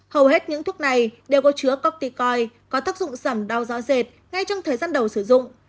hầu hết những thuốc này đều có chứa corticoid có tác dụng giảm đau do dệt ngay trong thời gian đầu sử dụng